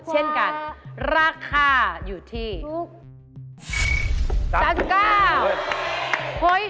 เช่นกันราคาอยู่ที่๓๙บาท